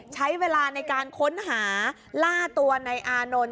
ใช้เวลาในการค้นหาล่าตัวในอานนท์